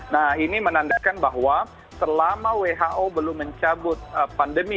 nah ini menandakan bahwa selama who belum mencabut pandemi